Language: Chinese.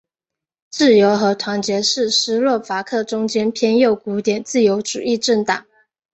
自由和团结是斯洛伐克中间偏右古典自由主义政党。